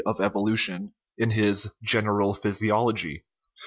48 OUR LIFE evolution, in his General Physiology.